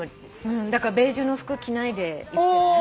だからベージュの服着ないで行ってね。